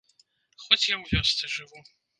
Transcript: Хоць я ў вёсцы жыву.